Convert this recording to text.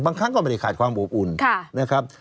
ครั้งก็ไม่ได้ขาดความอบอุ่นนะครับ